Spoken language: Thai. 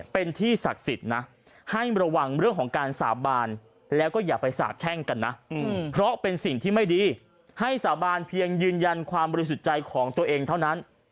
เพราะเป็นสิ่งที่ไม่ดีให้สาบานเพียงยืนยันความบริสุทธิ์ใจของตัวเองเท่านั้น